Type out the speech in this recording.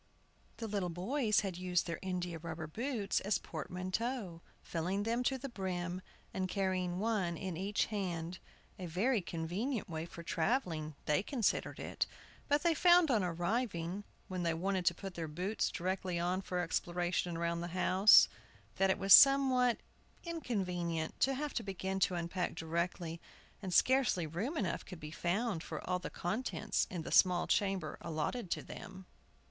The little boys had used their india rubber boots as portmanteaux, filling them to the brim, and carrying one in each hand, a very convenient way for travelling they considered it; but they found on arriving (when they wanted to put their boots directly on for exploration round the house), that it was somewhat inconvenient to have to begin to unpack directly, and scarcely room enough could be found for all the contents in the small chamber allotted to them.